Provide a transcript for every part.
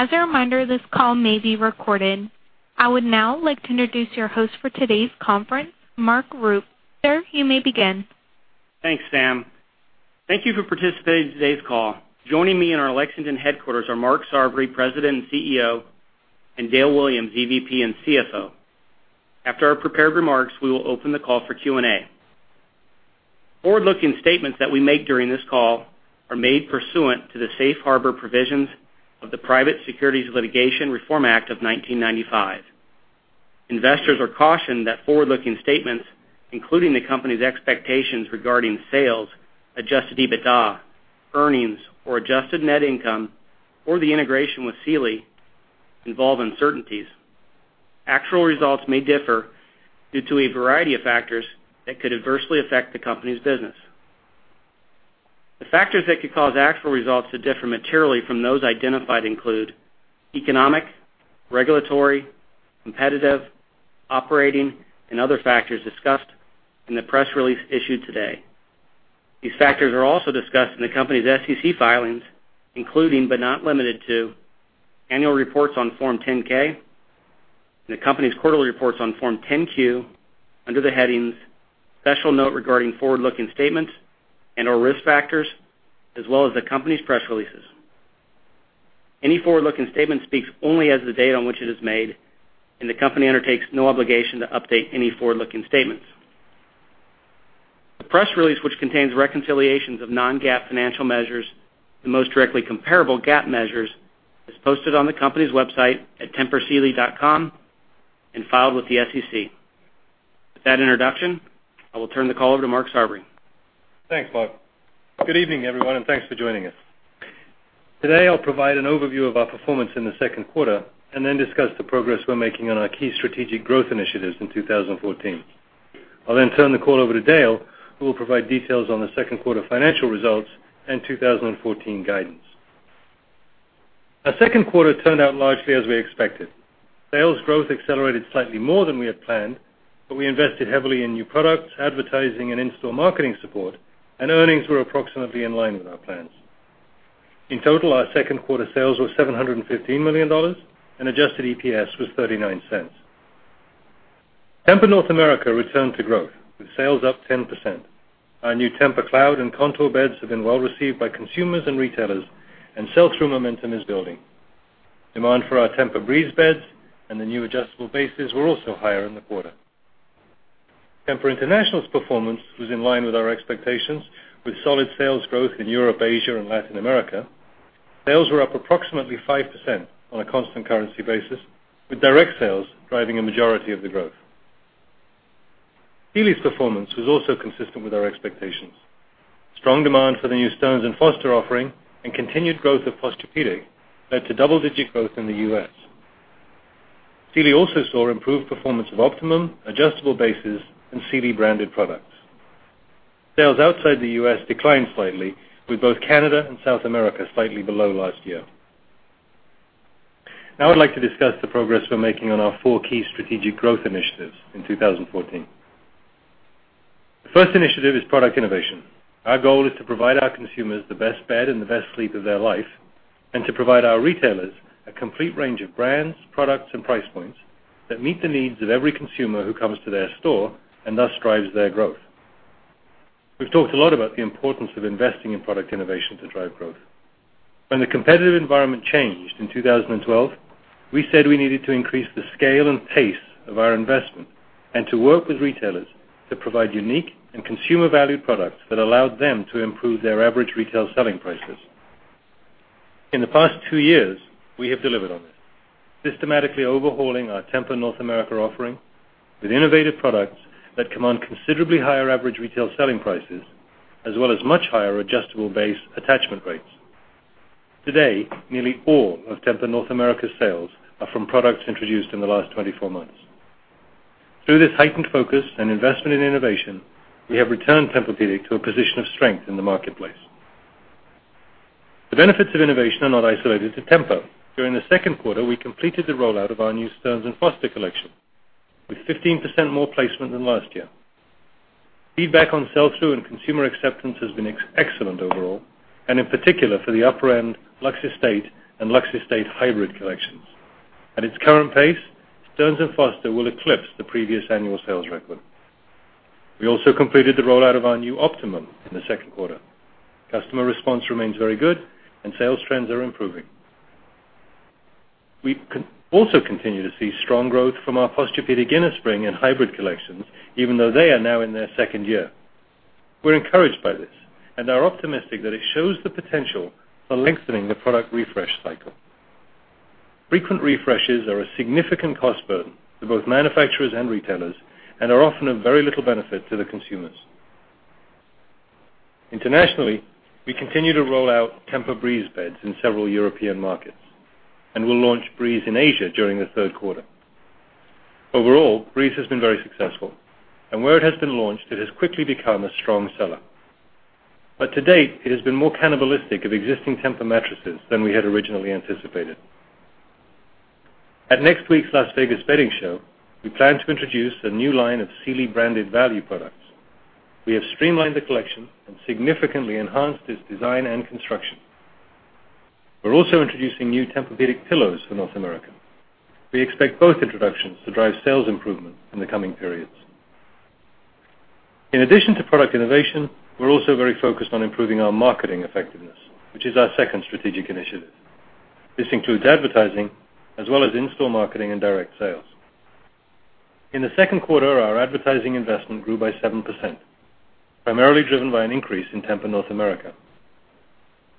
As a reminder, this call may be recorded. I would now like to introduce your host for today's conference, Mark Rupe. Sir, you may begin. Thanks, Sam. Thank you for participating in today's call. Joining me in our Lexington headquarters are Mark Sarvary, President and CEO, and Dale Williams, EVP and CFO. After our prepared remarks, we will open the call for Q&A. Forward-looking statements that we make during this call are made pursuant to the safe harbor provisions of the Private Securities Litigation Reform Act of 1995. Investors are cautioned that forward-looking statements, including the company's expectations regarding sales, adjusted EBITDA, earnings or adjusted net income, or the integration with Sealy, involve uncertainties. Actual results may differ due to a variety of factors that could adversely affect the company's business. The factors that could cause actual results to differ materially from those identified include economic, regulatory, competitive, operating, and other factors discussed in the press release issued today. These factors are also discussed in the company's SEC filings, including, but not limited to annual reports on Form 10-K and the company's quarterly reports on Form 10-Q under the headings "Special Note Regarding Forward-Looking Statements" and/or "Risk Factors," as well as the company's press releases. Any forward-looking statement speaks only as of the date on which it is made, and the company undertakes no obligation to update any forward-looking statements. The press release, which contains reconciliations of non-GAAP financial measures to the most directly comparable GAAP measures, is posted on the company's website at tempursealy.com and filed with the SEC. With that introduction, I will turn the call over to Mark Sarvary. Thanks, Mark. Good evening, everyone, and thanks for joining us. Today, I will provide an overview of our performance in the second quarter and then discuss the progress we are making on our key strategic growth initiatives in 2014. I will then turn the call over to Dale, who will provide details on the second quarter financial results and 2014 guidance. Our second quarter turned out largely as we expected. Sales growth accelerated slightly more than we had planned, but we invested heavily in new products, advertising, and in-store marketing support, and earnings were approximately in line with our plans. In total, our second quarter sales were $715 million and adjusted EPS was $0.39. Tempur North America returned to growth, with sales up 10%. Our new TEMPUR-Cloud and Contour beds have been well-received by consumers and retailers, and sell-through momentum is building. Demand for our TEMPUR-Breeze beds and the new adjustable bases were also higher in the quarter. Tempur International's performance was in line with our expectations, with solid sales growth in Europe, Asia, and Latin America. Sales were up approximately 5% on a constant currency basis, with direct sales driving a majority of the growth. Sealy's performance was also consistent with our expectations. Strong demand for the new Stearns & Foster offering and continued growth of Posturepedic led to double-digit growth in the U.S. Sealy also saw improved performance of Optimum, adjustable bases, and Sealy-branded products. Sales outside the U.S. declined slightly, with both Canada and South America slightly below last year. I'd like to discuss the progress we're making on our four key strategic growth initiatives in 2014. The first initiative is product innovation. Our goal is to provide our consumers the best bed and the best sleep of their life, to provide our retailers a complete range of brands, products, and price points that meet the needs of every consumer who comes to their store and thus drives their growth. We've talked a lot about the importance of investing in product innovation to drive growth. When the competitive environment changed in 2012, we said we needed to increase the scale and pace of our investment and to work with retailers to provide unique and consumer-valued products that allowed them to improve their average retail selling prices. In the past two years, we have delivered on this, systematically overhauling our Tempur North America offering with innovative products that command considerably higher average retail selling prices, as well as much higher adjustable base attachment rates. Today, nearly all of Tempur North America's sales are from products introduced in the last 24 months. Through this heightened focus and investment in innovation, we have returned Tempur-Pedic to a position of strength in the marketplace. The benefits of innovation are not isolated to Tempur. During the second quarter, we completed the rollout of our new Stearns & Foster collection, with 15% more placement than last year. Feedback on sell-through and consumer acceptance has been excellent overall, and in particular for the upper-end Lux Estate and Lux Estate Hybrid collections. At its current pace, Stearns & Foster will eclipse the previous annual sales record. We also completed the rollout of our new Optimum in the second quarter. Customer response remains very good, and sales trends are improving. We also continue to see strong growth from our Posturepedic Innerspring and Hybrid collections, even though they are now in their second year. We're encouraged by this and are optimistic that it shows the potential for lengthening the product refresh cycle. Frequent refreshes are a significant cost burden to both manufacturers and retailers and are often of very little benefit to the consumers. Internationally, we continue to roll out TEMPUR-Breeze beds in several European markets and will launch Breeze in Asia during the third quarter. Overall, Breeze has been very successful, where it has been launched, it has quickly become a strong seller. To date, it has been more cannibalistic of existing Tempur mattresses than we had originally anticipated. At next week's Las Vegas Bedding Show, we plan to introduce a new line of Sealy-branded value products. We have streamlined the collection and significantly enhanced its design and construction. We're also introducing new Tempur-Pedic pillows for North America. We expect both introductions to drive sales improvement in the coming periods. In addition to product innovation, we're also very focused on improving our marketing effectiveness, which is our second strategic initiative. This includes advertising as well as in-store marketing and direct sales. In the second quarter, our advertising investment grew by 7%, primarily driven by an increase in Tempur North America.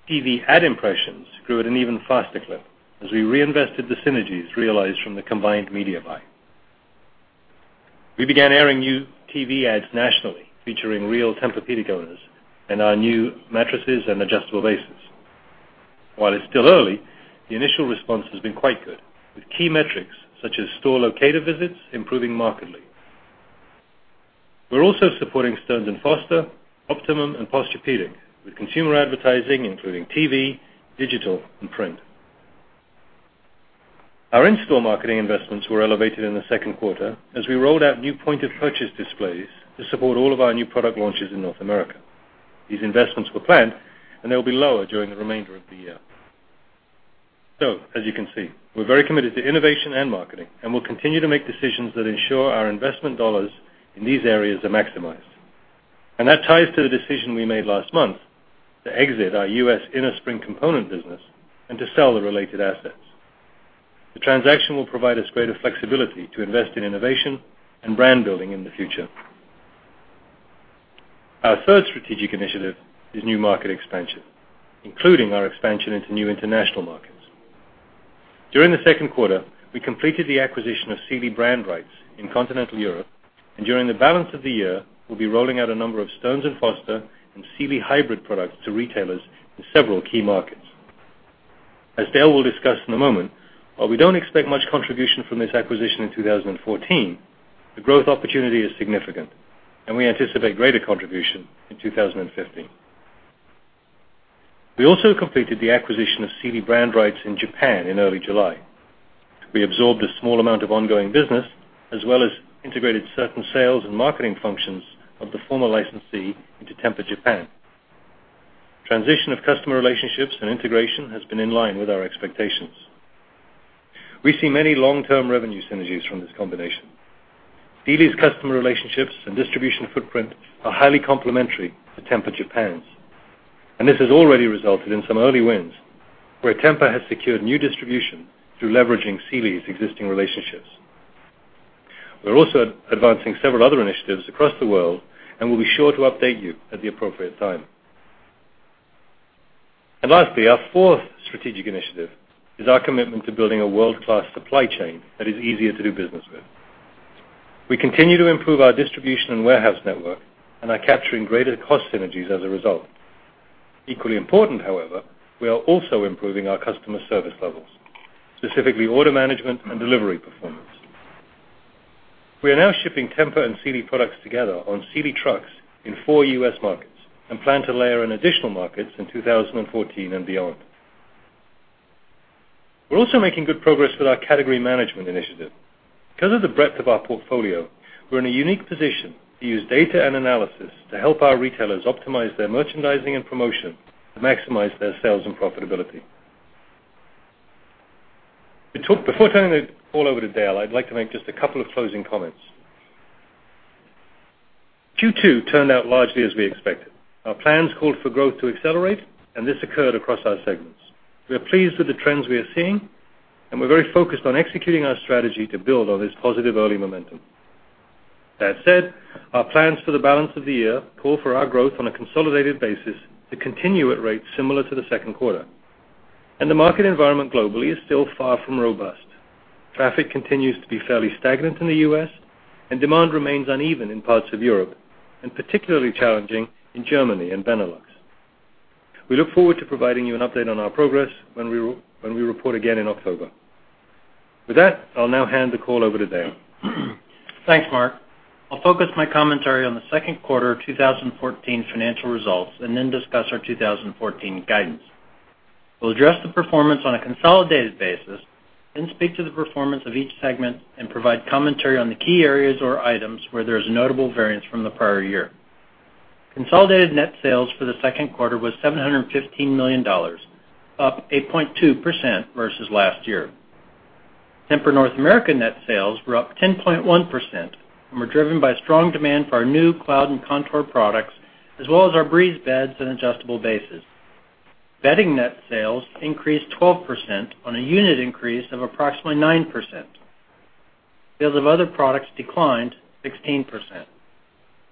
TV ad impressions grew at an even faster clip as we reinvested the synergies realized from the combined media buy. We began airing new TV ads nationally, featuring real Tempur-Pedic owners and our new mattresses and adjustable bases. While it's still early, the initial response has been quite good, with key metrics such as store locator visits improving markedly. We're also supporting Stearns & Foster, Optimum, and Posturepedic with consumer advertising, including TV, digital, and print. Our in-store marketing investments were elevated in the second quarter as we rolled out new point-of-purchase displays to support all of our new product launches in North America. These investments were planned, and they'll be lower during the remainder of the year. As you can see, we're very committed to innovation and marketing, and we'll continue to make decisions that ensure our investment dollars in these areas are maximized. That ties to the decision we made last month to exit our U.S. innerspring component business and to sell the related assets. The transaction will provide us greater flexibility to invest in innovation and brand building in the future. Our third strategic initiative is new market expansion, including our expansion into new international markets. During the second quarter, we completed the acquisition of Sealy brand rights in continental Europe. During the balance of the year, we'll be rolling out a number of Stearns & Foster and Sealy hybrid products to retailers in several key markets. As Dale will discuss in a moment, while we don't expect much contribution from this acquisition in 2014, the growth opportunity is significant. We anticipate greater contribution in 2015. We also completed the acquisition of Sealy brand rights in Japan in early July. We absorbed a small amount of ongoing business, as well as integrated certain sales and marketing functions of the former licensee into Tempur Japan. Transition of customer relationships and integration has been in line with our expectations. We see many long-term revenue synergies from this combination. Sealy's customer relationships and distribution footprint are highly complementary to Tempur Japan's. This has already resulted in some early wins, where Tempur has secured new distribution through leveraging Sealy's existing relationships. We're also advancing several other initiatives across the world. We'll be sure to update you at the appropriate time. Lastly, our fourth strategic initiative is our commitment to building a world-class supply chain that is easier to do business with. We continue to improve our distribution and warehouse network and are capturing greater cost synergies as a result. Equally important, however, we are also improving our customer service levels, specifically order management and delivery performance. We are now shipping Tempur and Sealy products together on Sealy trucks in four U.S. markets and plan to layer in additional markets in 2014 and beyond. We're also making good progress with our category management initiative. Because of the breadth of our portfolio, we're in a unique position to use data and analysis to help our retailers optimize their merchandising and promotion to maximize their sales and profitability. Before turning it all over to Dale, I'd like to make just a couple of closing comments. Q2 turned out largely as we expected. Our plans called for growth to accelerate, this occurred across our segments. We are pleased with the trends we are seeing, we're very focused on executing our strategy to build on this positive early momentum. That said, our plans for the balance of the year call for our growth on a consolidated basis to continue at rates similar to the second quarter. The market environment globally is still far from robust. Traffic continues to be fairly stagnant in the U.S., demand remains uneven in parts of Europe, particularly challenging in Germany and Benelux. We look forward to providing you an update on our progress when we report again in October. With that, I'll now hand the call over to Dale. Thanks, Mark. I'll focus my commentary on the second quarter 2014 financial results then discuss our 2014 guidance. We'll address the performance on a consolidated basis, then speak to the performance of each segment and provide commentary on the key areas or items where there's notable variance from the prior year. Consolidated net sales for the second quarter was $715 million, up 8.2% versus last year. Tempur North America net sales were up 10.1%, driven by strong demand for our new TEMPUR-Cloud and Tempur-Contour products, as well as our TEMPUR-Breeze beds and adjustable bases. Bedding net sales increased 12% on a unit increase of approximately 9%. Sales of other products declined 16%.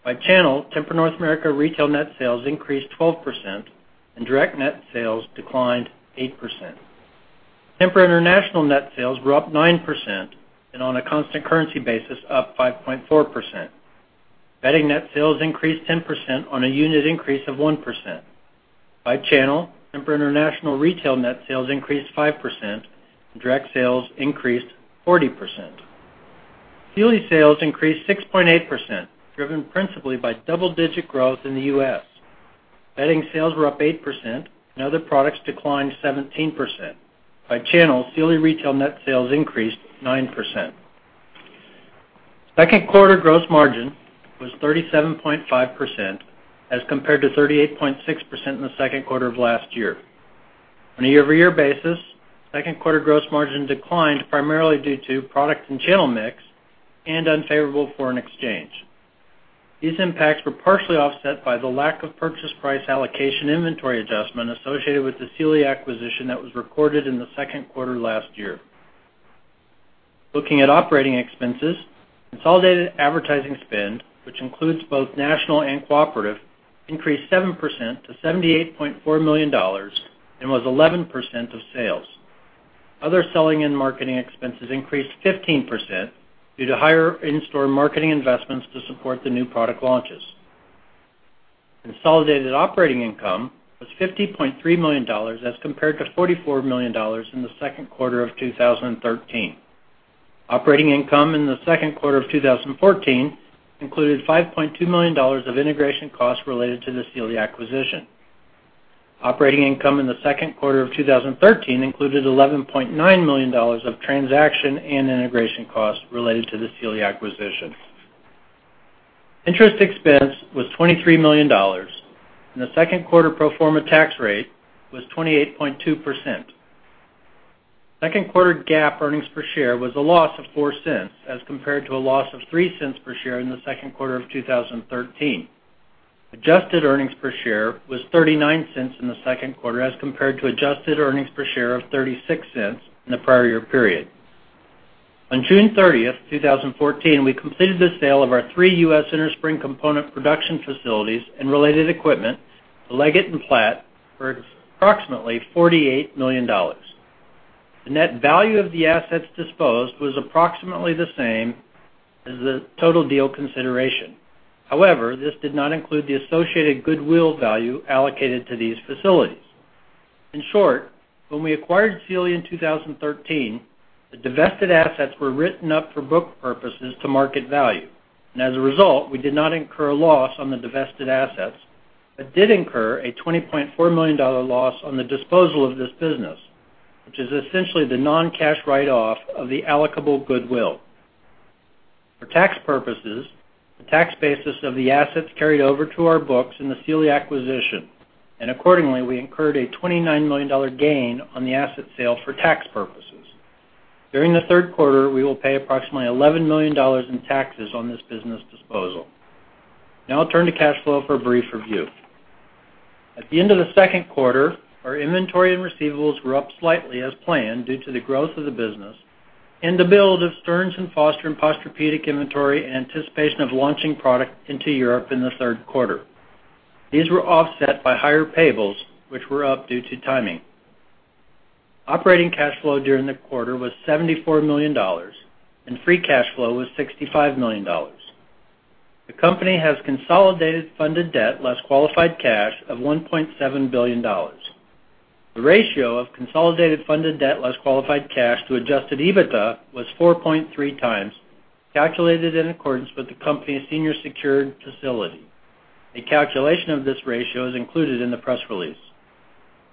By channel, Tempur North America retail net sales increased 12%, direct net sales declined 8%. Tempur International net sales were up 9%, on a constant currency basis, up 5.4%. Bedding net sales increased 10% on a unit increase of 1%. By channel, Tempur International retail net sales increased 5%, direct sales increased 40%. Sealy sales increased 6.8%, driven principally by double-digit growth in the U.S. Bedding sales were up 8%, other products declined 17%. By channel, Sealy retail net sales increased 9%. Second quarter gross margin was 37.5% as compared to 38.6% in the second quarter of last year. On a year-over-year basis, second quarter gross margin declined primarily due to product and channel mix unfavorable foreign exchange. These impacts were partially offset by the lack of purchase price allocation inventory adjustment associated with the Sealy acquisition that was recorded in the second quarter last year. Looking at operating expenses, consolidated advertising spend, which includes both national and cooperative, increased 7% to $78.4 million, was 11% of sales. Other selling and marketing expenses increased 15% due to higher in-store marketing investments to support the new product launches. Consolidated operating income was $50.3 million as compared to $44 million in the second quarter of 2013. Operating income in the second quarter of 2014 included $5.2 million of integration costs related to the Sealy acquisition. Operating income in the second quarter of 2013 included $11.9 million of transaction and integration costs related to the Sealy acquisition. Interest expense was $23 million, and the second quarter pro forma tax rate was 28.2%. Second quarter GAAP earnings per share was a loss of $0.04 as compared to a loss of $0.03 per share in the second quarter of 2013. Adjusted earnings per share was $0.39 in the second quarter as compared to adjusted earnings per share of $0.36 in the prior year period. On June 30th, 2014, we completed the sale of our three U.S. innerspring component production facilities and related equipment to Leggett & Platt for approximately $48 million. The net value of the assets disposed was approximately the same as the total deal consideration. However, this did not include the associated goodwill value allocated to these facilities. In short, when we acquired Sealy in 2013, the divested assets were written up for book purposes to market value, and as a result, we did not incur a loss on the divested assets. We did incur a $20.4 million loss on the disposal of this business, which is essentially the non-cash write-off of the allocable goodwill. For tax purposes, the tax basis of the assets carried over to our books in the Sealy acquisition, and accordingly, we incurred a $29 million gain on the asset sale for tax purposes. During the third quarter, we will pay approximately $11 million in taxes on this business disposal. I'll turn to cash flow for a brief review. At the end of the second quarter, our inventory and receivables were up slightly as planned due to the growth of the business and the build of Stearns & Foster and Posturepedic inventory in anticipation of launching product into Europe in the third quarter. These were offset by higher payables, which were up due to timing. Operating cash flow during the quarter was $74 million, and free cash flow was $65 million. The company has consolidated funded debt, less qualified cash, of $1.7 billion. The ratio of consolidated funded debt, less qualified cash, to adjusted EBITDA was 4.3 times, calculated in accordance with the company's senior secured facility. A calculation of this ratio is included in the press release.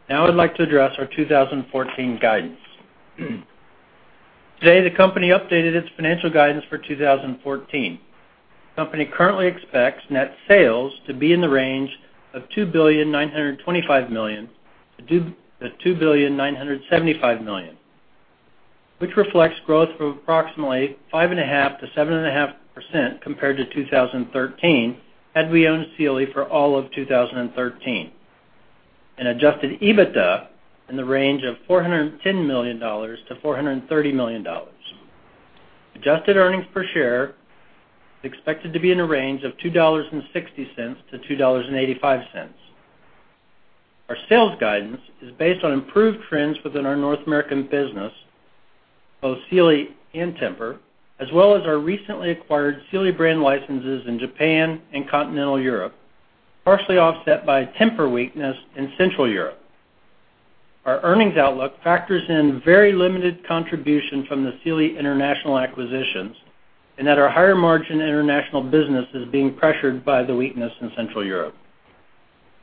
I'd like to address our 2014 guidance. Today, the company updated its financial guidance for 2014. The company currently expects net sales to be in the range of $2.925 billion-$2.975 billion, which reflects growth of approximately 5.5%-7.5% compared to 2013 had we owned Sealy for all of 2013. Adjusted EBITDA in the range of $410 million-$430 million. Adjusted earnings per share is expected to be in a range of $2.60-$2.85. Our sales guidance is based on improved trends within our Tempur North America business, both Sealy and Tempur, as well as our recently acquired Sealy brand licenses in Japan and Continental Europe, partially offset by Tempur weakness in Central Europe. Our earnings outlook factors in very limited contribution from the Sealy International acquisitions and that our higher-margin international business is being pressured by the weakness in Central Europe.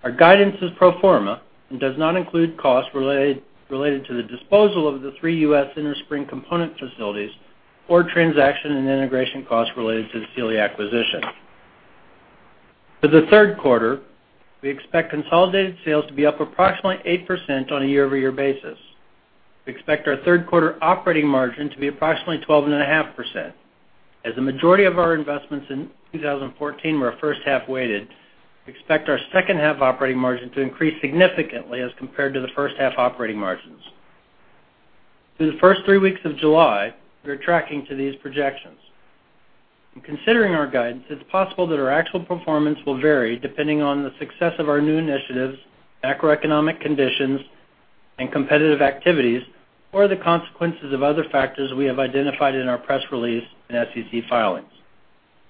Our guidance is pro forma and does not include costs related to the disposal of the three U.S. innerspring component facilities or transaction and integration costs related to the Sealy acquisition. For the third quarter, we expect consolidated sales to be up approximately 8% on a year-over-year basis. We expect our third quarter operating margin to be approximately 12.5%. As the majority of our investments in 2014 were first half weighted, we expect our second half operating margin to increase significantly as compared to the first half operating margins. Through the first three weeks of July, we are tracking to these projections. In considering our guidance, it's possible that our actual performance will vary depending on the success of our new initiatives, macroeconomic conditions, and competitive activities, or the consequences of other factors we have identified in our press release and SEC filings.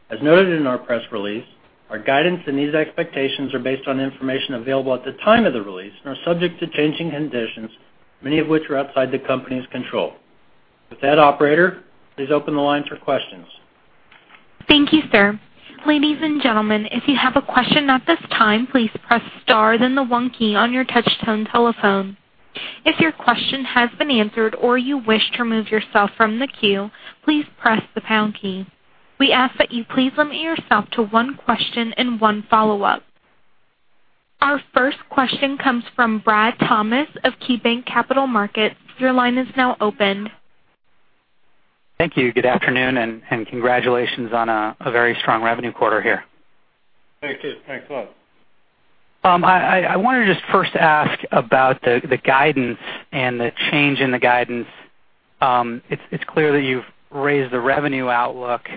As noted in our press release, our guidance and these expectations are based on information available at the time of the release and are subject to changing conditions, many of which are outside the company's control. With that, operator, please open the line for questions. Thank you, sir. Ladies and gentlemen, if you have a question at this time, please press star then the one key on your touch-tone telephone. If your question has been answered or you wish to remove yourself from the queue, please press the pound key. We ask that you please limit yourself to one question and one follow-up. Our first question comes from Brad Thomas of KeyBanc Capital Markets. Your line is now open. Thank you. Good afternoon. Congratulations on a very strong revenue quarter here. Thank you. Thanks a lot. I wanted to just first ask about the guidance and the change in the guidance. It's clear that you've raised the revenue outlook,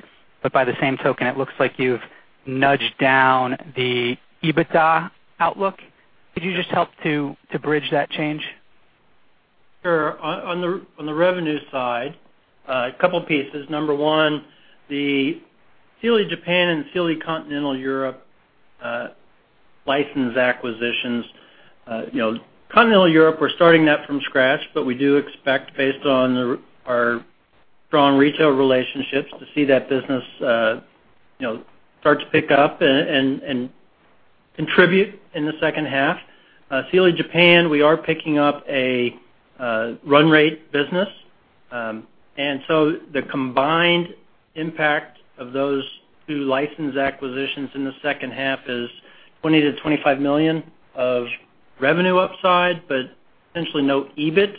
but by the same token, it looks like you've nudged down the EBITDA outlook. Could you just help to bridge that change? Sure. On the revenue side, a couple pieces. Number 1, the Sealy Japan and Sealy Continental Europe license acquisitions. Continental Europe, we're starting that from scratch, but we do expect, based on our strong retail relationships, to see that business start to pick up and contribute in the second half. Sealy Japan, we are picking up a run rate business. The combined impact of those two license acquisitions in the second half is $20 million-$25 million of revenue upside, but essentially no EBIT.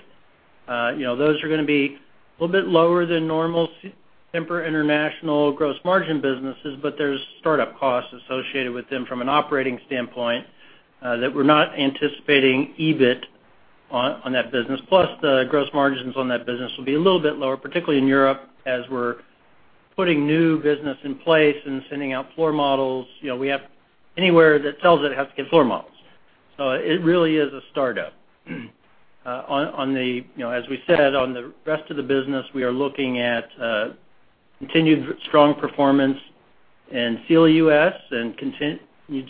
Those are going to be a little bit lower than normal Tempur International gross margin businesses, but there's startup costs associated with them from an operating standpoint that we're not anticipating EBIT on that business. Plus, the gross margins on that business will be a little bit lower, particularly in Europe, as we're putting new business in place and sending out floor models. Anywhere that sells it has to get floor models. It really is a startup. As we said, on the rest of the business, we are looking at continued strong performance in Sealy U.S. and continued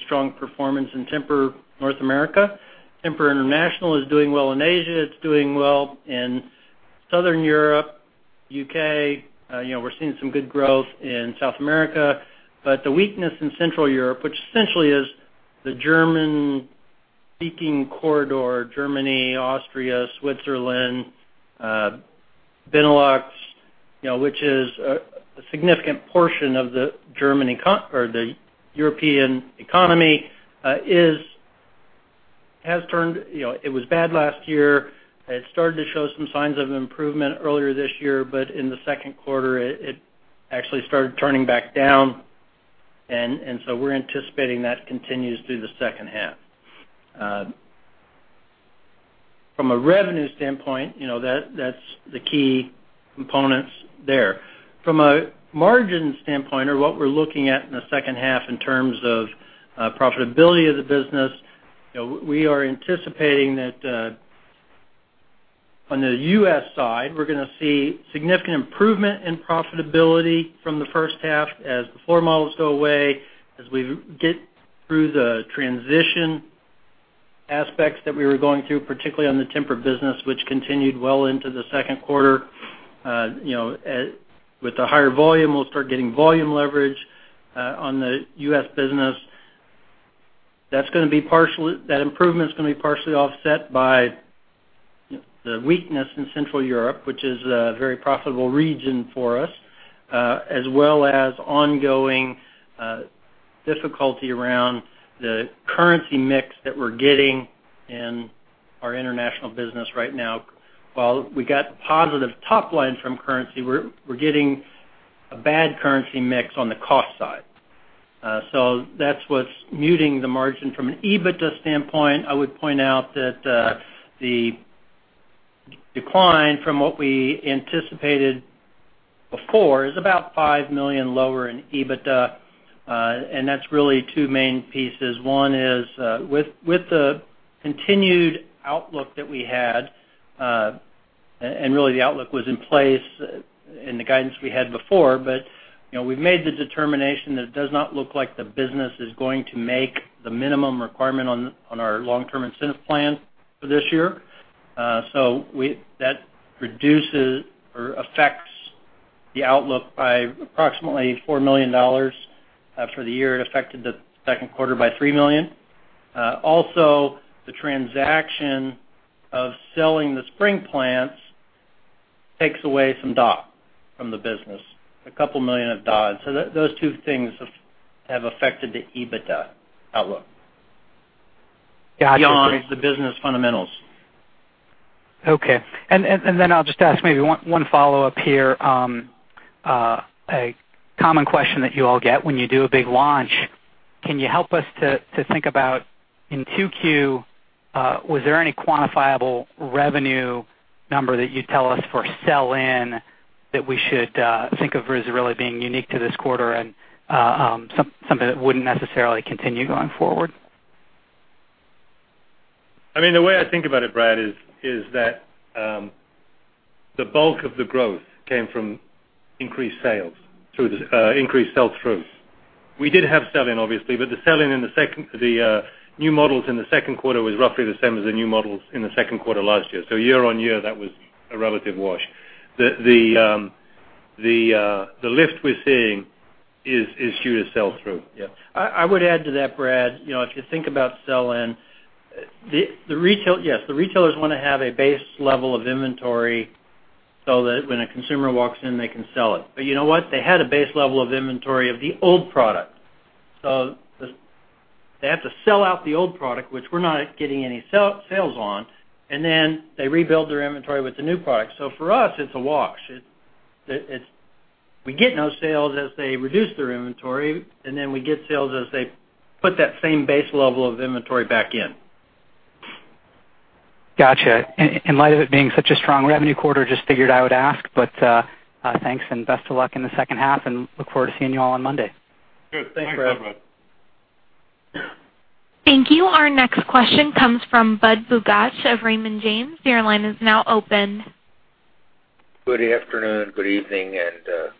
strong performance in Tempur North America. Tempur International is doing well in Asia. It's doing well in Southern Europe, U.K. We're seeing some good growth in South America. The weakness in Central Europe, which essentially is the German-speaking corridor, Germany, Austria, Switzerland, Benelux, which is a significant portion of the European economy, it was bad last year. It started to show some signs of improvement earlier this year, but in the second quarter, it actually started turning back down. We're anticipating that continues through the second half. From a revenue standpoint, that's the key components there. From a margin standpoint, or what we're looking at in the second half in terms of profitability of the business, we are anticipating that on the U.S. side, we're going to see significant improvement in profitability from the first half as the floor models go away, as we get through the transition aspects that we were going through, particularly on the Tempur business, which continued well into the second quarter. With the higher volume, we'll start getting volume leverage on the U.S. business. That improvement's going to be partially offset by the weakness in Central Europe, which is a very profitable region for us, as well as ongoing difficulty around the currency mix that we're getting in our international business right now. While we got positive top line from currency, we're getting a bad currency mix on the cost side. That's what's muting the margin from an EBITDA standpoint. I would point out that the decline from what we anticipated before is about $5 million lower in EBITDA. That's really two main pieces. One is with the continued outlook that we had, and really the outlook was in place in the guidance we had before, but we've made the determination that it does not look like the business is going to make the minimum requirement on our long-term incentive plan for this year. That reduces or affects the outlook by approximately $4 million for the year. It affected the second quarter by $3 million. Also, the transaction of selling the spring plants takes away some D&A from the business, a couple million of D&A. Those two things have affected the EBITDA outlook- Got you beyond the business fundamentals. Okay. I'll just ask maybe one follow-up here. A common question that you all get when you do a big launch, can you help us to think about in 2Q, was there any quantifiable revenue number that you'd tell us for sell-in that we should think of as really being unique to this quarter and something that wouldn't necessarily continue going forward? The way I think about it, Brad, is that the bulk of the growth came from increased sales through increased sell-through. We did have sell-in, obviously, the sell-in in the new models in the second quarter was roughly the same as the new models in the second quarter last year. Year-over-year, that was a relative wash. The lift we're seeing is due to sell-through. Yeah. I would add to that, Brad, if you think about sell-in, yes, the retailers want to have a base level of inventory so that when a consumer walks in, they can sell it. You know what? They had a base level of inventory of the old product. They have to sell out the old product, which we're not getting any sales on, and then they rebuild their inventory with the new product. For us, it's a wash. We get no sales as they reduce their inventory, and then we get sales as they put that same base level of inventory back in. Got you. In light of it being such a strong revenue quarter, just figured I would ask, thanks and best of luck in the second half, and look forward to seeing you all on Monday. Good. Thanks, Brad. Thanks, everybody. Thank you. Our next question comes from Budd Bugatch of Raymond James. Your line is now open. Good afternoon, good evening, and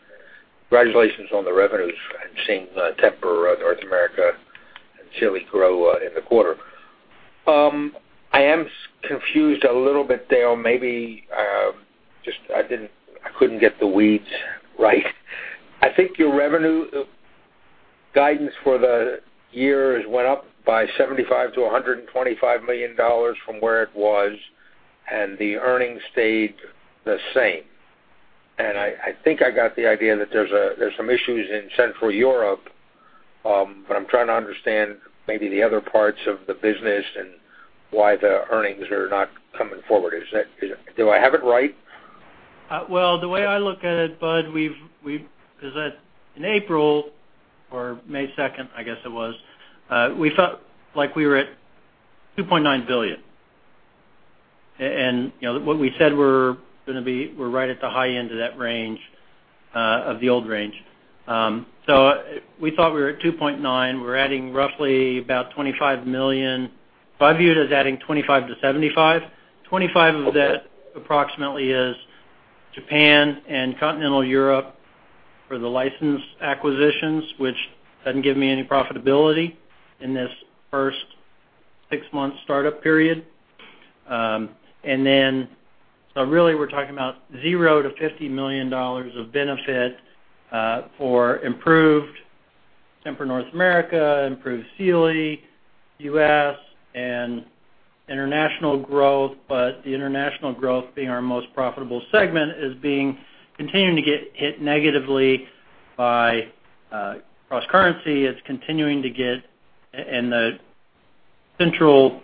congratulations on the revenues. I'm seeing Tempur North America and Sealy grow in the quarter. I am confused a little bit, Dale. Maybe I couldn't get the weeds right. I think your revenue guidance for the year went up by $75 million-$125 million from where it was, and the earnings stayed the same. I think I got the idea that there's some issues in Central Europe, but I'm trying to understand maybe the other parts of the business and why the earnings are not coming forward. Do I have it right? The way I look at it, Bud, in April or May 2nd, I guess it was, we felt like we were at $2.9 billion. What we said we're going to be, we're right at the high end of that range, of the old range. We thought we were at $2.9 billion. We're adding roughly about $25 million. I view it as adding $25 million-$75 million. $25 million of that approximately is Japan and Continental Europe for the license acquisitions, which doesn't give me any profitability in this first six-month startup period. Really we're talking about 0-$50 million of benefit for improved Tempur North America, improved Sealy U.S., and international growth. The international growth being our most profitable segment is continuing to get hit negatively by cross-currency. It's continuing to get in the Central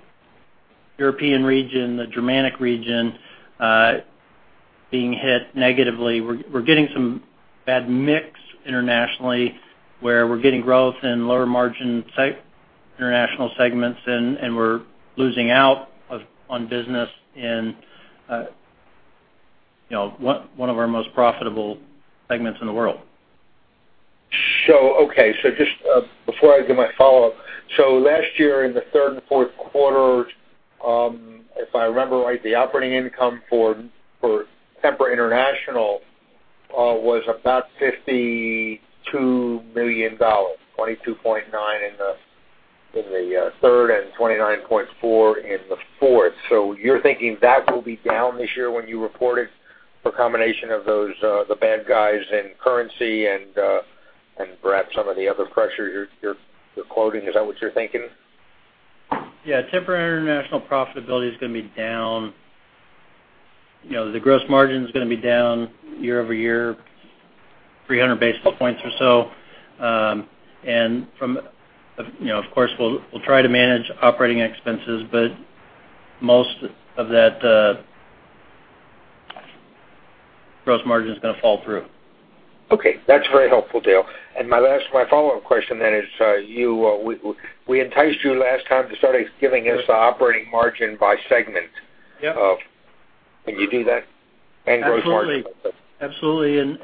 European region, the Germanic region, being hit negatively. We're getting some bad mix internationally where we're getting growth in lower margin international segments and we're losing out on business in one of our most profitable segments in the world. Okay. Just before I do my follow-up. Last year in the third and fourth quarter, if I remember right, the operating income for Tempur International was about $52 million, $22.9 million in the third and $29.4 million in the fourth. You're thinking that will be down this year when you report it for a combination of the bad guys and currency and perhaps some of the other pressure you're quoting. Is that what you're thinking? Yeah. Tempur International profitability is going to be down. The gross margin is going to be down year-over-year 300 basis points or so. Of course, we'll try to manage operating expenses, most of that gross margin is going to fall through. That's very helpful, Dale. My follow-up question is, we enticed you last time to start giving us the operating margin by segment. Yeah. Can you do that? Gross margin? Absolutely.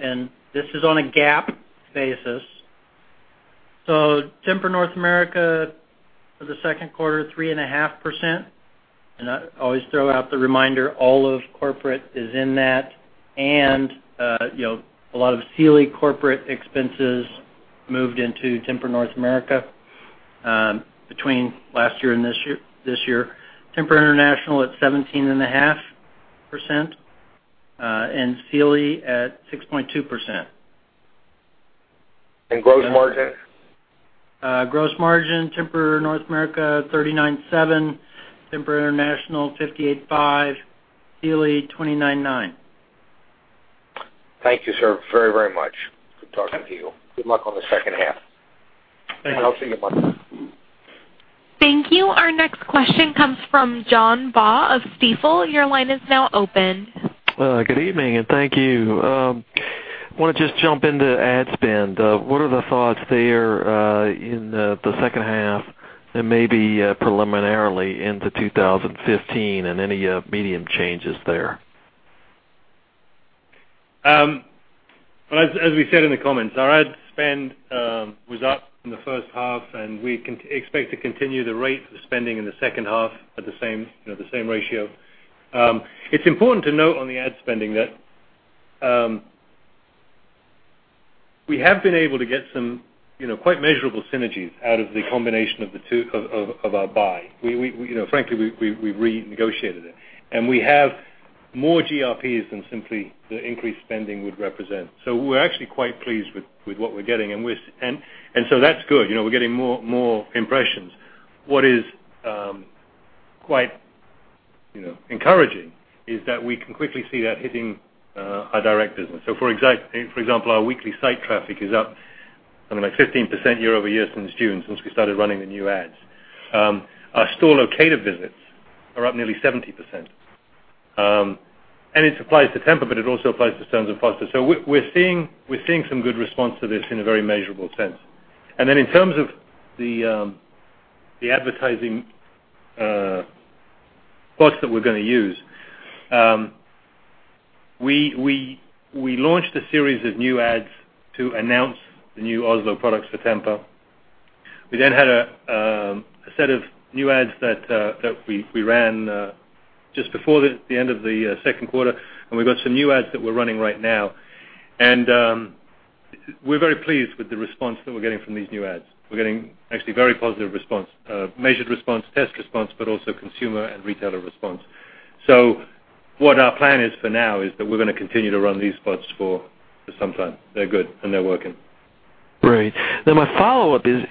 This is on a GAAP basis. Tempur North America for the second quarter, 3.5%. I always throw out the reminder, all of corporate is in that. A lot of Sealy corporate expenses moved into Tempur North America between last year and this year. Tempur International at 17.5%, Sealy at 6.2%. Gross margin? Gross margin, Tempur North America, 39.7%. Tempur International, 58.5%. Sealy, 29.9%. Thank you, sir, very, very much. Good talking to you. Good luck on the second half. Thank you. I'll see you Monday. Thank you. Our next question comes from John Baugh of Stifel. Your line is now open. Good evening, and thank you. I want to just jump into ad spend. What are the thoughts there in the second half and maybe preliminarily into 2015 and any medium changes there? Well, as we said in the comments, our ad spend was up in the first half, and we expect to continue the rate of spending in the second half at the same ratio. It's important to note on the ad spending that we have been able to get some quite measurable synergies out of the combination of our buy. Frankly, we renegotiated it, and we have more GRPs than simply the increased spending would represent. We're actually quite pleased with what we're getting. That's good. We're getting more impressions. What is quite encouraging is that we can quickly see that hitting our direct business. For example, our weekly site traffic is up something like 15% year-over-year since June, since we started running the new ads. Our store locator visits are up nearly 70%. It applies to Tempur, but it also applies to Stearns & Foster. We're seeing some good response to this in a very measurable sense. In terms of the advertising spots that we're going to use, we launched a series of new ads to announce the new Oslo products for Tempur. We then had a set of new ads that we ran just before the end of the second quarter, and we've got some new ads that we're running right now. We're very pleased with the response that we're getting from these new ads. We're getting actually very positive response, measured response, test response, but also consumer and retailer response. What our plan is for now is that we're going to continue to run these spots for some time. They're good, and they're working. Great. My follow-up is,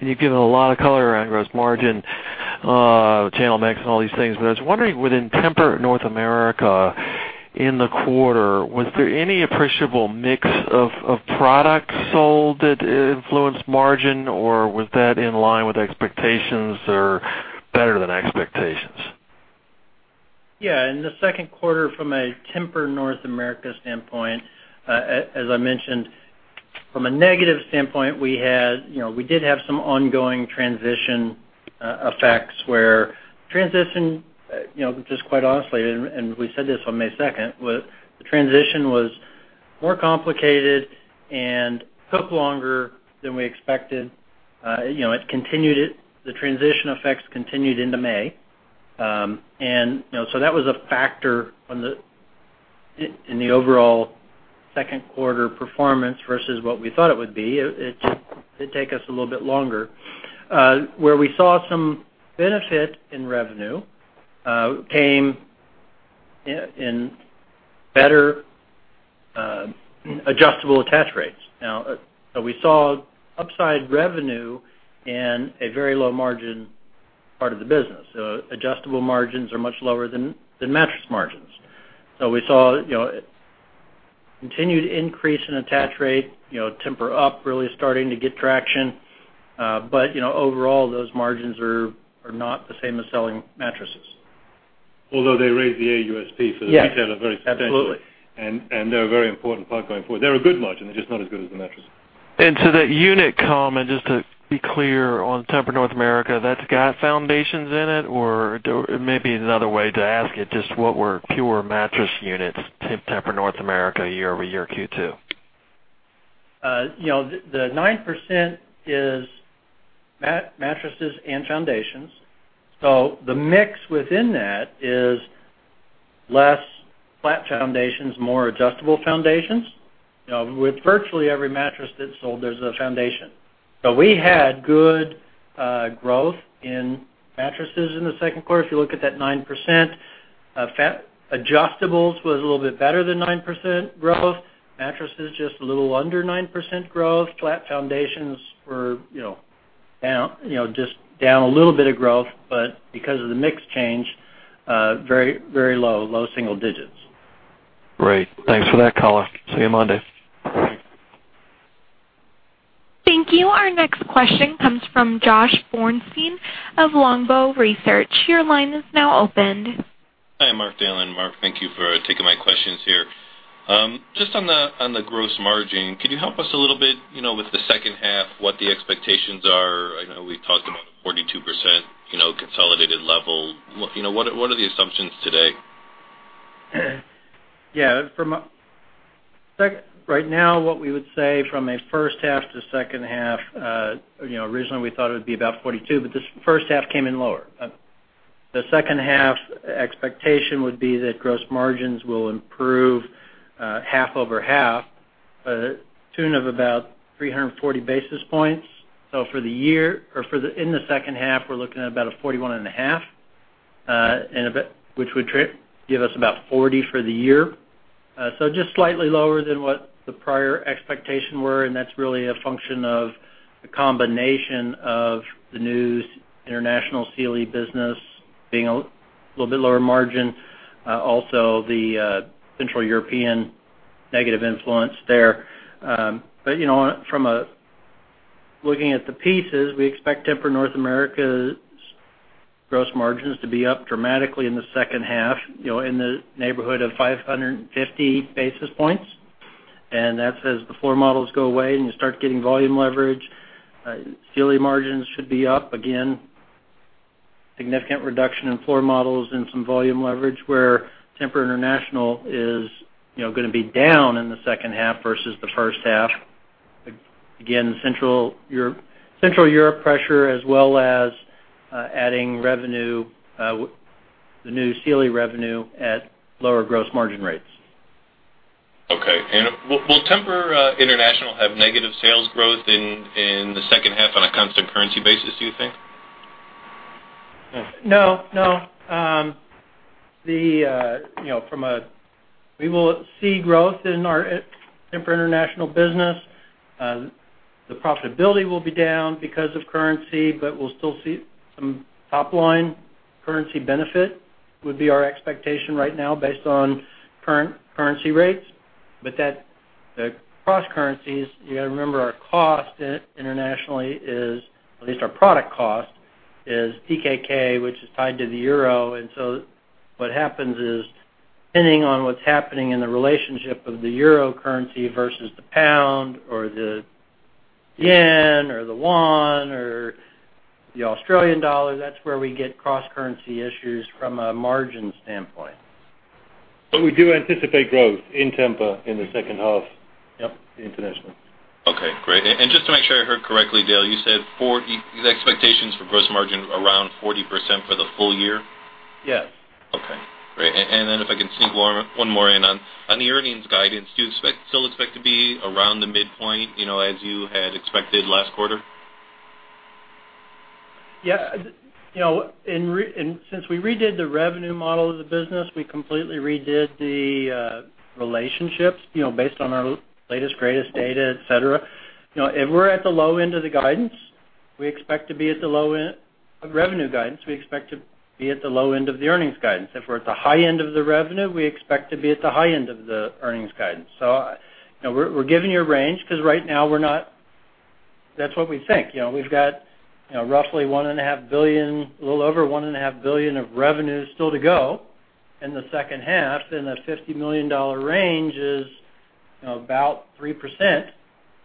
you've given a lot of color around gross margin, channel mix, and all these things, I was wondering, within Tempur North America in the quarter, was there any appreciable mix of products sold that influenced margin, or was that in line with expectations or better than expectations? Yeah. In the second quarter, from a Tempur North America standpoint, as I mentioned, from a negative standpoint, we did have some ongoing transition effects where transition, just quite honestly, we said this on May 2nd, the transition was more complicated and took longer than we expected. The transition effects continued into May. That was a factor in the overall second quarter performance versus what we thought it would be. It did take us a little bit longer. Now, where we saw some benefit in revenue came in better adjustable attach rates. We saw upside revenue in a very low margin part of the business. Adjustable margins are much lower than mattress margins. We saw continued increase in attach rate, Tempur-Ergo really starting to get traction. Overall, those margins are not the same as selling mattresses. Although they raise the AUSP for the retailer very substantially. Yes. Absolutely. They're a very important part going forward. They're a good margin. They're just not as good as the mattress. That unit comment, just to be clear on Tempur North America, that's got foundations in it? Or maybe another way to ask it, just what were pure mattress units, Tempur North America year-over-year Q2? The 9% is mattresses and foundations. The mix within that is less flat foundations, more adjustable foundations. With virtually every mattress that's sold, there's a foundation. We had good growth in mattresses in the second quarter. If you look at that 9%, adjustables was a little bit better than 9% growth. Mattresses, just a little under 9% growth. Flat foundations were just down a little bit of growth, but because of the mix change, very low single digits. Great. Thanks for that color. See you Monday. Thanks. Thank you. Our next question comes from Josh Borstein of Longbow Research. Your line is now open. Hi, Mark, Dale. Mark, thank you for taking my questions here. On the gross margin, can you help us a little bit with the second half, what the expectations are? I know we've talked about the 42% consolidated level. What are the assumptions today? Right now, what we would say from a first half to second half, originally we thought it would be about 42%, but this first half came in lower. The second half expectation would be that gross margins will improve half-over-half to the tune of about 340 basis points. For the year or in the second half, we're looking at about a 41.5%, which would give us about 40% for the year. Just slightly lower than what the prior expectations were, and that's really a function of the combination of the News International Sealy business being a little bit lower margin. Also, the Central European negative influence there. Looking at the pieces, we expect Tempur North America's gross margins to be up dramatically in the second half, in the neighborhood of 550 basis points. That's as the floor models go away and you start getting volume leverage. Sealy margins should be up again. Significant reduction in floor models and some volume leverage where Tempur International is going to be down in the second half versus the first half. Again, Central Europe pressure, as well as adding the new Sealy revenue at lower gross margin rates. Okay. Will Tempur International have negative sales growth in the second half on a constant currency basis, do you think? No. We will see growth in our Tempur International business. The profitability will be down because of currency, but we'll still see some top-line currency benefit, would be our expectation right now based on current currency rates. The cross-currencies, you got to remember our cost internationally is, at least our product cost, is DKK, which is tied to the Euro. What happens is, depending on what's happening in the relationship of the Euro currency versus the Pound or the Yen or the Won or the Australian Dollar, that's where we get cross-currency issues from a margin standpoint. We do anticipate growth in Tempur in the second half. Yep internationally. Okay, great. Just to make sure I heard correctly, Dale, you said the expectation for gross margin around 40% for the full year? Yes. Okay, great. If I can sneak one more in on the earnings guidance, do you still expect to be around the midpoint, as you had expected last quarter? Yeah. Since we redid the revenue model of the business, we completely redid the relationships based on our latest, greatest data, et cetera. If we're at the low end of the revenue guidance, we expect to be at the low end of the earnings guidance. If we're at the high end of the revenue, we expect to be at the high end of the earnings guidance. We're giving you a range because right now that's what we think. We've got roughly a little over $1.5 billion of revenue still to go in the second half, and that $50 million range is about 3%.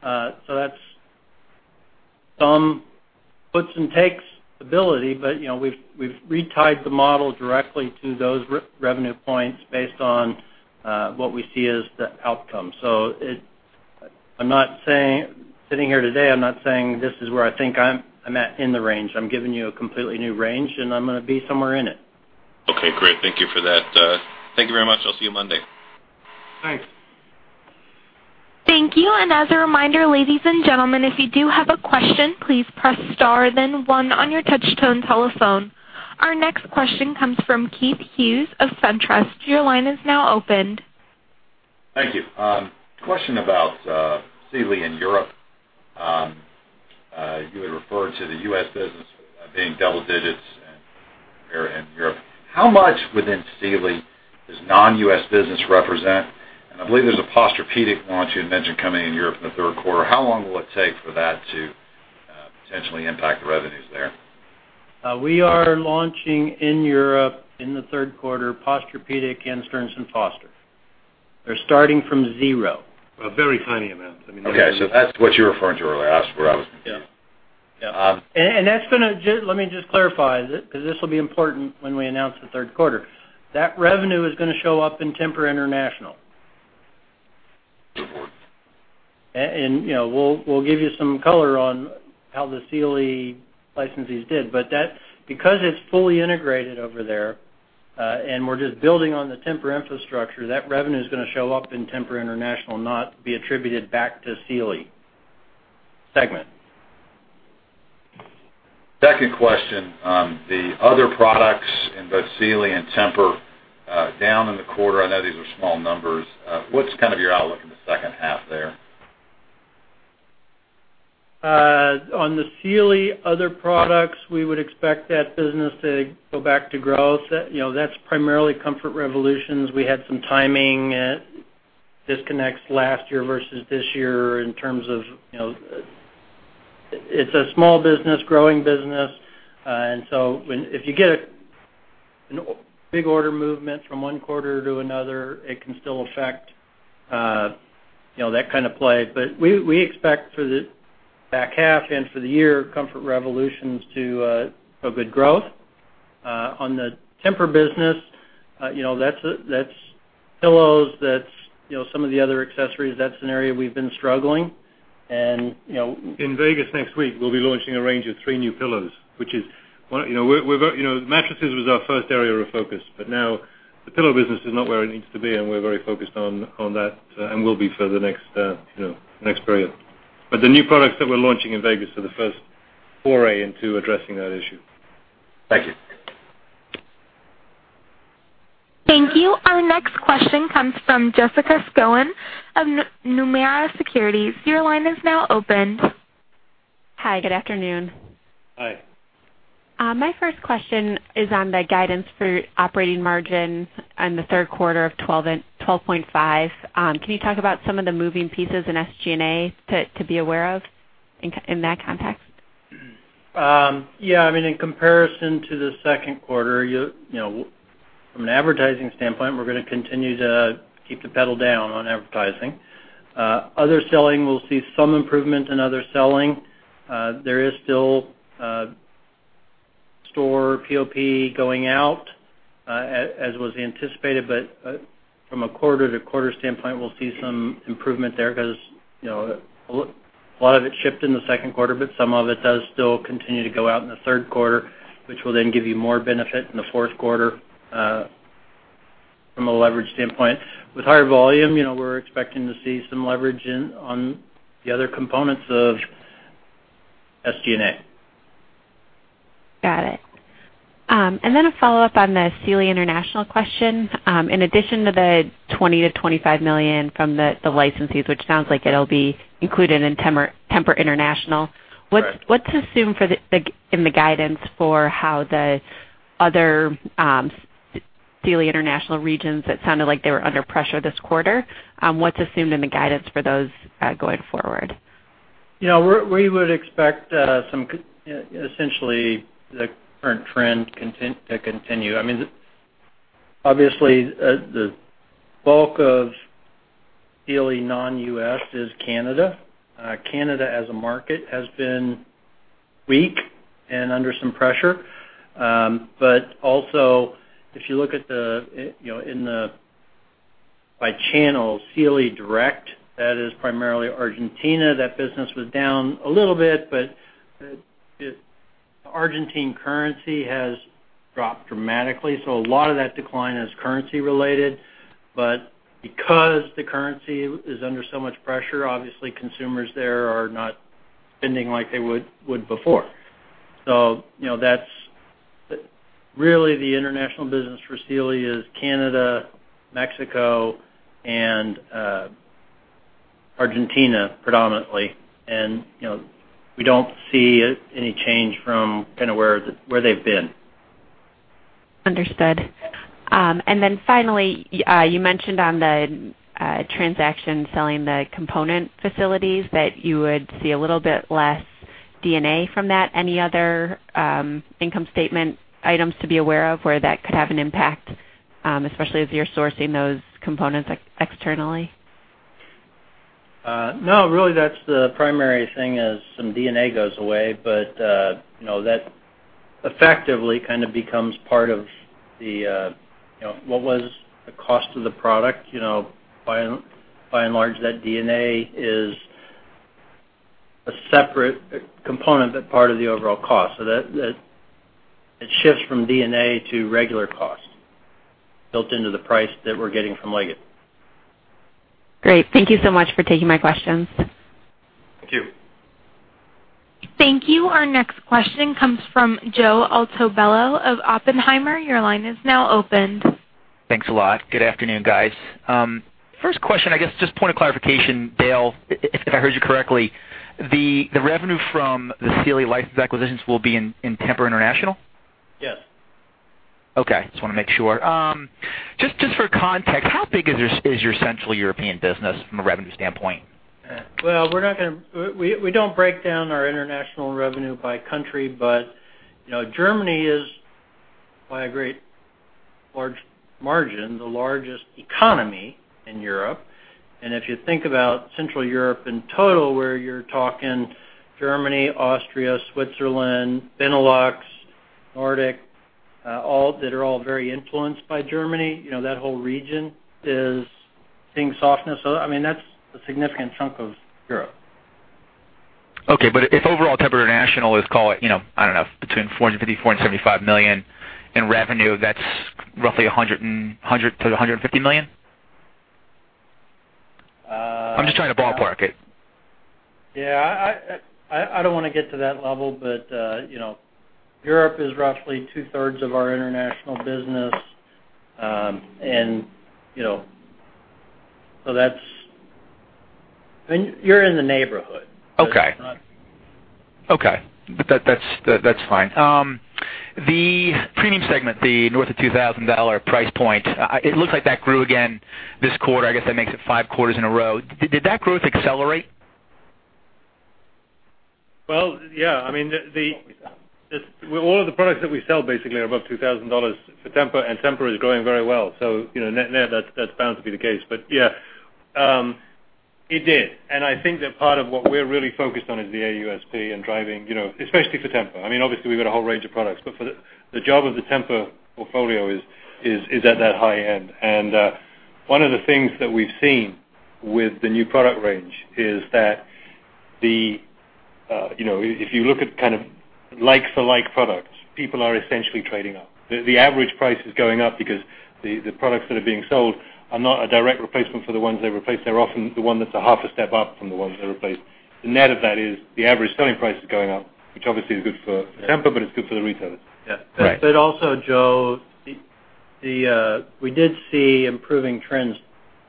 That's some puts-and-takes ability, but we've retied the model directly to those revenue points based on what we see as the outcome. Sitting here today, I'm not saying this is where I think I'm at in the range. I'm giving you a completely new range. I'm going to be somewhere in it. Okay, great. Thank you for that. Thank you very much. I'll see you Monday. Thanks. Thank you. As a reminder, ladies and gentlemen, if you do have a question, please press star, then one on your touch-tone telephone. Our next question comes from Keith Hughes of SunTrust. Your line is now opened. Thank you. Question about Sealy in Europe. You had referred to the U.S. business being double digits and Europe. How much within Sealy does non-U.S. business represent? I believe there's a Posturepedic launch you had mentioned coming in Europe in the third quarter. How long will it take for that to potentially impact the revenues there? We are launching in Europe in the third quarter, Posturepedic and Stearns & Foster. They're starting from zero. A very tiny amount. Okay. That's what you were referring to earlier. I was confused. Yeah. Let me just clarify, because this will be important when we announce the third quarter. That revenue is going to show up in Tempur International. Good point. Because it's fully integrated over there, and we're just building on the Tempur infrastructure, that revenue is going to show up in Tempur International, not be attributed back to Sealy segment. Second question. The other products in both Sealy and Tempur down in the quarter. I know these are small numbers. What's kind of your outlook in the second half there? On the Sealy other products, we would expect that business to go back to growth. That's primarily Comfort Revolution. We had some timing disconnects last year versus this year. It's a small business, growing business. If you get a big order movement from one quarter to another, it can still affect that kind of play. We expect for the back half and for the year Comfort Revolution to show good growth. On the Tempur business, that's pillows, that's some of the other accessories. That's an area we've been struggling and- In Vegas next week, we'll be launching a range of three new pillows. Mattresses was our first area of focus, now the pillow business is not where it needs to be, and we're very focused on that and will be for the next period. The new products that we're launching in Vegas are the first foray into addressing that issue. Thank you. Thank you. Our next question comes from Jessica Schoen of Nomura Securities. Your line is now opened. Hi, good afternoon. Hi. My first question is on the guidance for operating margin on the third quarter of 12.5%. Can you talk about some of the moving pieces in SG&A to be aware of in that context? Yeah. In comparison to the second quarter. From an advertising standpoint, we're going to continue to keep the pedal down on advertising. Other selling, we'll see some improvement in other selling. There is still store POP going out as was anticipated. From a quarter-to-quarter standpoint, we'll see some improvement there because a lot of it shipped in the second quarter, but some of it does still continue to go out in the third quarter, which will then give you more benefit in the fourth quarter, from a leverage standpoint. With higher volume, we're expecting to see some leverage on the other components of SG&A. Got it. A follow-up on the Sealy International question. In addition to the $20 million to $25 million from the licensees, which sounds like it'll be included in Tempur International. Right What's assumed in the guidance for how the other Sealy International regions, it sounded like they were under pressure this quarter? What's assumed in the guidance for those going forward? We would expect essentially the current trend to continue. Obviously, the bulk of Sealy non-U.S. is Canada. Canada as a market has been weak and under some pressure. Also, if you look by channel, Sealy Direct, that is primarily Argentina, that business was down a little bit, but the Argentine currency has dropped dramatically. A lot of that decline is currency related. Because the currency is under so much pressure, obviously consumers there are not spending like they would before. Really the international business for Sealy is Canada, Mexico, and Argentina, predominantly. We don't see any change from where they've been. Understood. Finally, you mentioned on the transaction selling the component facilities that you would see a little bit less D&A from that. Any other income statement items to be aware of where that could have an impact, especially as you're sourcing those components externally? No, really that's the primary thing is some D&A goes away, but that effectively becomes part of what was the cost of the product. By and large, that D&A is a separate component, but part of the overall cost. It shifts from D&A to regular cost built into the price that we're getting from Leggett. Great. Thank you so much for taking my questions. Thank you. Thank you. Our next question comes from Joe Altobello of Oppenheimer. Your line is now open. Thanks a lot. Good afternoon, guys. First question, I guess just point of clarification, Dale, if I heard you correctly, the revenue from the Sealy license acquisitions will be in Tempur International? Yes. Okay. Just want to make sure. Just for context, how big is your Central European business from a revenue standpoint? Well, we don't break down our international revenue by country, but Germany is, by a great large margin, the largest economy in Europe. If you think about Central Europe in total, where you're talking Germany, Austria, Switzerland, Benelux, Nordic, that are all very influenced by Germany, that whole region is seeing softness. That's a significant chunk of Europe. Okay, if overall Tempur International is, call it, I don't know, between $450 million, $475 million in revenue, that's roughly $100 million-$150 million? I'm just trying to ballpark it. I don't want to get to that level. Europe is roughly two-thirds of our international business, you're in the neighborhood. Okay. That's fine. The premium segment, the north of $2,000 price point, it looks like that grew again this quarter. I guess that makes it five quarters in a row. Did that growth accelerate? Well, yeah. All of the products that we sell basically are above $2,000 for Tempur. Tempur is growing very well, net-net, that's bound to be the case. Yeah, it did. I think that part of what we're really focused on is the AUSP and driving, especially for Tempur. Obviously, we've got a whole range of products, but the job of the Tempur portfolio is at that high end. One of the things that we've seen with the new product range is that if you look at likes for like products, people are essentially trading up. The average price is going up because the products that are being sold are not a direct replacement for the ones they replace. They're often the one that's a half a step up from the ones they replace. The net of that is the average selling price is going up, which obviously is good for Tempur, it's good for the retailers. Yeah. Right. Joe, we did see improving trends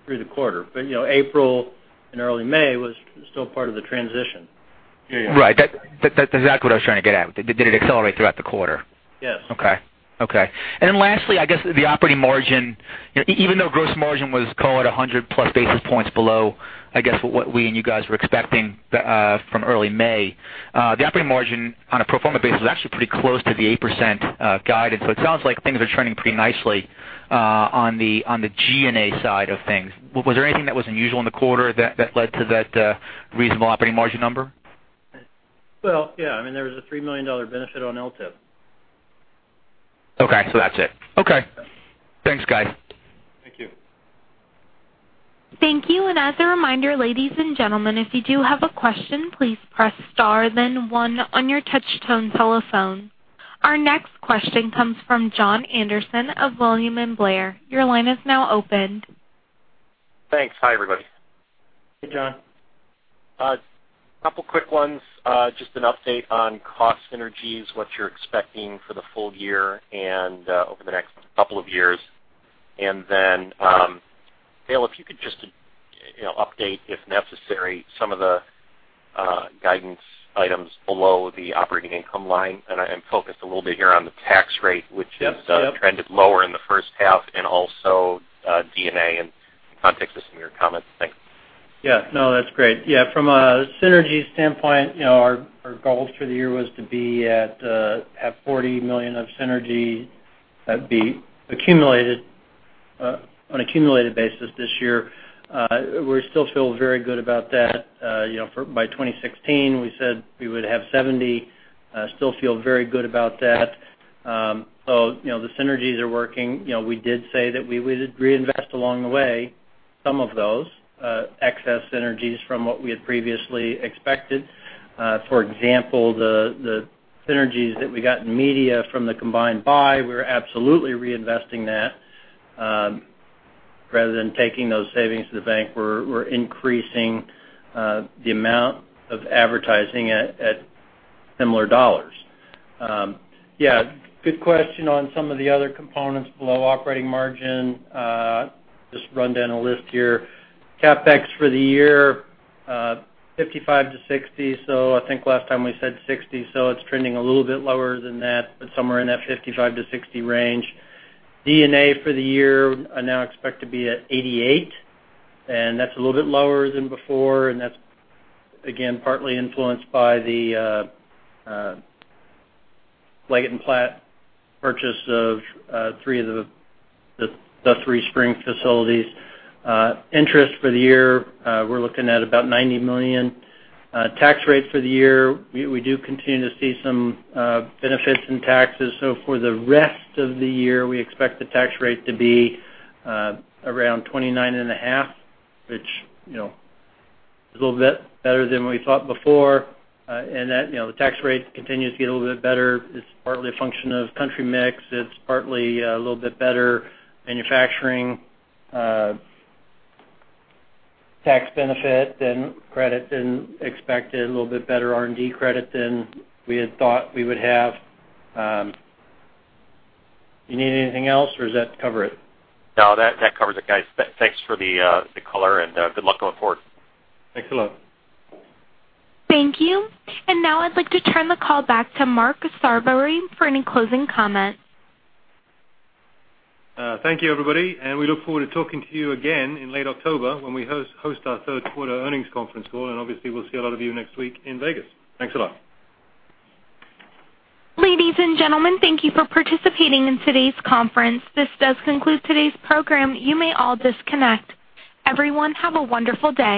through the quarter. April and early May was still part of the transition Right. That's exactly what I was trying to get at. Did it accelerate throughout the quarter? Yes. Lastly, I guess, the operating margin, even though gross margin was, call it, 100-plus basis points below, I guess, what we and you guys were expecting from early May, the operating margin on a pro forma basis was actually pretty close to the 8% guidance. It sounds like things are trending pretty nicely on the G&A side of things. Was there anything that was unusual in the quarter that led to that reasonable operating margin number? There was a $3 million benefit on LTIP. Okay, that's it. Okay. Thanks, guys. Thank you. Thank you. As a reminder, ladies and gentlemen, if you do have a question, please press star then one on your touch-tone telephone. Our next question comes from Jon Andersen of William Blair. Your line is now opened. Thanks. Hi, everybody. Hey, Jon. A couple quick ones. Just an update on cost synergies, what you're expecting for the full year and over the next couple of years. Then, Dale, if you could just update, if necessary, some of the guidance items below the operating income line. I'm focused a little bit here on the tax rate- Yep which has trended lower in the first half, and also D&A in context with some of your comments. Thanks. That's great. From a synergy standpoint, our goals for the year was to have $40 million of synergy be accumulated on accumulated basis this year. We still feel very good about that. By 2016, we said we would have $70 million. Still feel very good about that. The synergies are working. We did say that we would reinvest along the way some of those excess synergies from what we had previously expected. For example, the synergies that we got in media from the combined buy, we're absolutely reinvesting that. Rather than taking those savings to the bank, we're increasing the amount of advertising at similar dollars. Good question on some of the other components below operating margin. Just run down a list here. CapEx for the year, $55 million-$60 million. I think last time we said 60, it's trending a little bit lower than that, but somewhere in that 55-60 range. D&A for the year, I now expect to be at $88, and that's a little bit lower than before, and that's, again, partly influenced by the Leggett & Platt purchase of the three spring facilities. Interest for the year, we're looking at about $90 million. Tax rate for the year, we do continue to see some benefits in taxes. For the rest of the year, we expect the tax rate to be around 29.5%, which is a little bit better than we thought before. The tax rate continues to get a little bit better. It's partly a function of country mix. It's partly a little bit better manufacturing tax benefit than credited and expected, a little bit better R&D credit than we had thought we would have. You need anything else, or does that cover it? No, that covers it, guys. Thanks for the color, good luck going forward. Thanks a lot. Thank you. Now I'd like to turn the call back to Mark Sarvary for any closing comments. Thank you, everybody. We look forward to talking to you again in late October when we host our third quarter earnings conference call. Obviously, we'll see a lot of you next week in Vegas. Thanks a lot. Ladies and gentlemen, thank you for participating in today's conference. This does conclude today's program. You may all disconnect. Everyone, have a wonderful day.